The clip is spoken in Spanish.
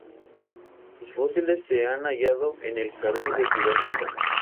Sus fósiles se han hallado en el Karoo de Sudáfrica.